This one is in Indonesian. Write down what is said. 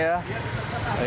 iya tetap salah